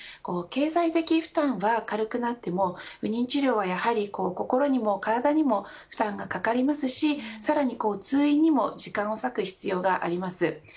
経済的負担は軽くなっても不妊治療はやはり心にも体にも負担がかかりますしさらに通院にも時間を割く必要があります。